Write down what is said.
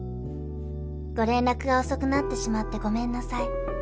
「ご連絡が遅くなってしまってごめんなさい」